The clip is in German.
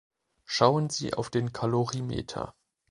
Schauen Sie auf den Kalorimeter.